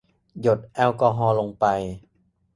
หยดแอลกอฮอล์ลงไป